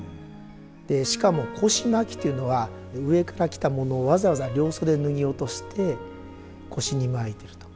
しかも腰巻というのは上から着たものをわざわざ両袖脱ぎ落として腰に巻いてると。